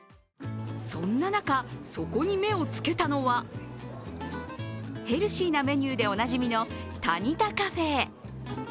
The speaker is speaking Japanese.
そんな中、そこに目をつけたのはヘルシーなメニューでおなじみのタニタカフェ。